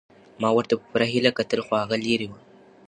ما ورته په پوره هیله کتل خو هغه لیرې وه.